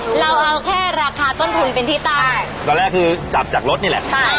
ก็คือไปถึงนี่เลยเมืองจันทร์น่ะ